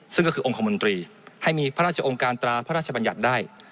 ซึ่งก็คือองค์คมนตรีให้มีพระราชองค์การตราพระราชบัญญัติได้